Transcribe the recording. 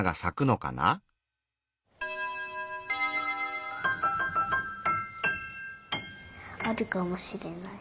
あるかもしれない。